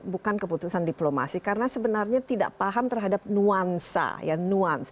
bukan keputusan diplomasi karena sebenarnya tidak paham terhadap nuansa